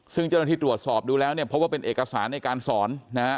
ซึ่งเจ้าหน้าที่ตรวจสอบดูแล้วเนี่ยพบว่าเป็นเอกสารในการสอนนะฮะ